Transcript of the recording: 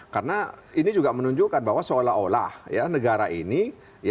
karena ini juga menunjukkan bahwa seolah olah negara ini